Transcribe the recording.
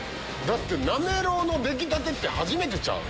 だってなめろうの出来たてって初めてちゃう？